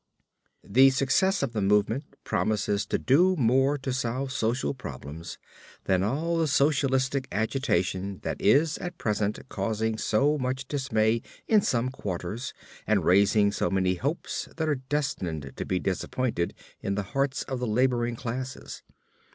The success of the movement promises, to do more, to solve social problems than all the socialistic agitation that is at present causing so much dismay in some quarters and raising so many hopes that are destined to be disappointed in the hearts of the laboring classes.